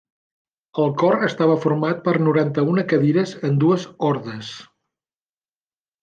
El cor estava format per noranta-una cadires en dues ordes.